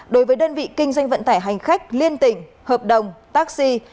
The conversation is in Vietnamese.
đối với đơn vị kinh doanh vận tải hành khách liên tỉnh hợp đồng taxi